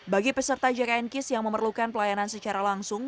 bagi peserta jkn kis yang memerlukan pelayanan secara langsung